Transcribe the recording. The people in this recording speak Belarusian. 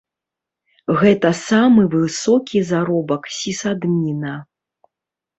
Гэта самы высокі заробак сісадміна.